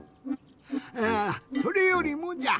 あそれよりもじゃ。